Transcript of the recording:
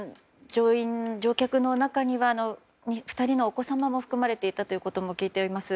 乗員・乗客の中には２人のお子様も含まれていたということも聞いています。